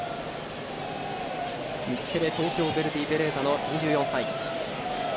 日テレ・東京ヴェルディベレーザの２４歳。